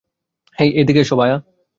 হেই, এদিকে এসো, ভায়া।